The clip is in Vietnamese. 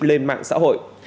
lên mạng xã hội